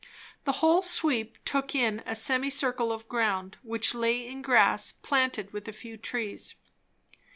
The whole sweep took in a semicircle of ground, which lay in grass, planted with a few trees.